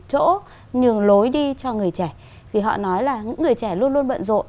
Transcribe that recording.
chỗ nhường lối đi cho người trẻ vì họ nói là những người trẻ luôn luôn bận rộn